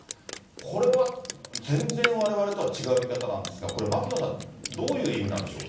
これは、全然われわれとは違う見方なんですが、これ、牧野さん、どういう意味なんでしょうか？